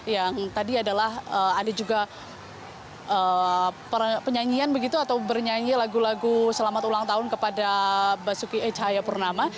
yang tadi adalah ada juga penyanyian begitu atau bernyanyi lagu lagu selamat ulang tahun kepada basuki cahayapurnama